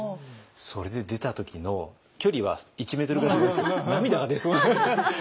それで出た時の距離は１メートルぐらいなんですけど涙が出そうになって。